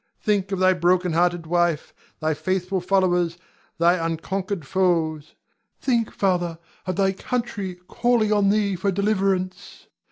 Think of thy broken hearted wife, thy faithful followers, thy unconquered foes; think, Father, of thy country calling on thee for deliverance.